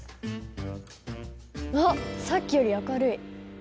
あっさっきより明るい。